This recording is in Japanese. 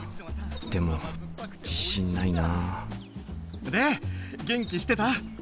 でも自信ないなで元気してた？